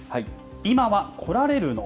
今は来られるの？